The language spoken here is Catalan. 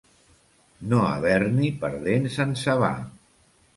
No haver-n'hi per dents encebar.